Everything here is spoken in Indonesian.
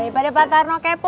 daripada pak tarno kepo